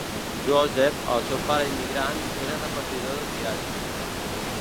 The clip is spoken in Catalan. Joseph, el seu pare immigrant, era repartidor de diaris.